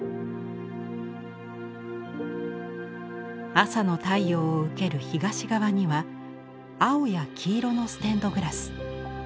朝の太陽を受ける東側には青や黄色のステンドグラス。